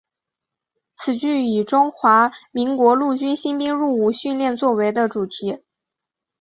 此剧以中华民国陆军新兵入伍训练作为主题。